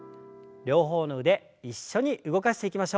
両方の腕一緒に動かしていきましょう。